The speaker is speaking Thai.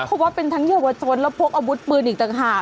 เพราะว่าเป็นทั้งเยาวชนแล้วพกอาวุธปืนอีกต่างหาก